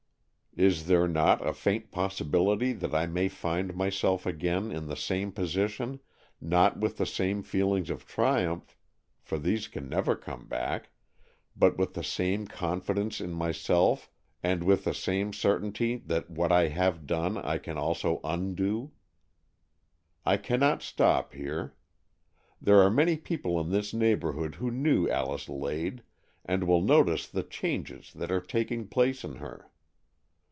Is there not a faint possibility that I may find myself again in the same position, not with the same feelings of triumph, for these can never come back, but with the same confidence in myself and with the same certainty that what I have done I can also undo? AN EXCHANGE OF SOULS 165 " I cannot stop here. There are many people in this neighbourhood who knew Alice Lade, and will notice the changes that are taking place in her.